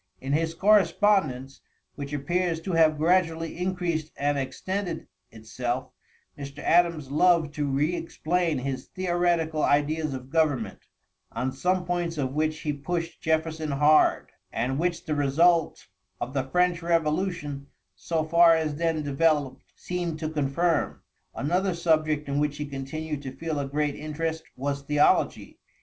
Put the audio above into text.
In his correspondence, which appears to have gradually increased and extended itself, Mr. Adams loved to re explain his theoretical ideas of government, on some points of which he pushed Jefferson hard, and which the result of the French revolution so far as then developed seemed to confirm. Another subject in which he continued to feel a great interest was theology.